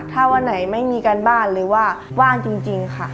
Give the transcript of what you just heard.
ถ้าวันไหนไม่มีการบ้านหรือว่าว่างจริงค่ะ